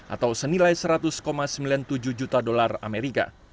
atau senilai seratus sembilan puluh tujuh juta dolar amerika